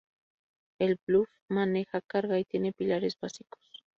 El Bluff maneja carga y tiene pilares básicos.